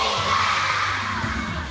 satu dua tiga